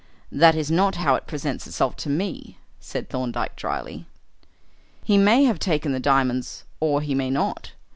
"That is not how it presents itself to me," said Thorndyke drily. "He may have taken the diamonds or he may not.